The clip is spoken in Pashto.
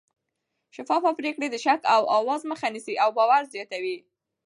شفافه پرېکړې د شک او اوازو مخه نیسي او باور زیاتوي